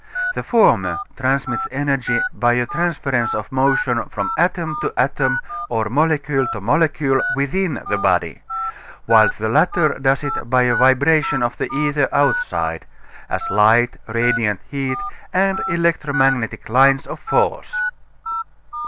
The former transmits energy by a transference of motion from atom to atom or molecule to molecule within the body, while the latter does it by a vibration of the ether outside as light, radiant heat, and electromagnetic lines of force.